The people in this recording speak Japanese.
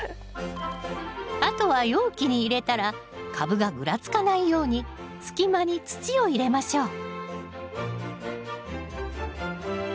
あとは容器に入れたら株がぐらつかないように隙間に土を入れましょう